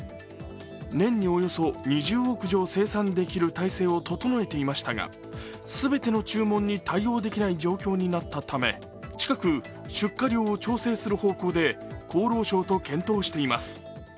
年におよそ２０億錠生産できる体制を整えていましたが全ての注文に対応できない状況になったため、近く出荷量を調整する方向で厚労省と検討しています。